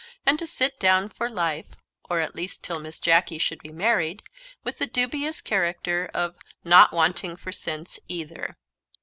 and to sit down for life (or at least till Miss Jacky should be married) with the dubious character of "not wanting for sense either."